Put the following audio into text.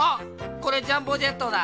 これジャンボジェットだ！